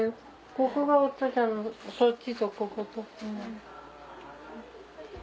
ここがお父さんのそっちとここと。